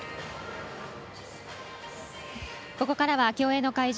ここからは競泳の会場